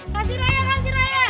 kasih raya kasih raya